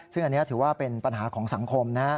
ซึ่งอันนี้ถือว่าเป็นปัญหาของสังคมนะ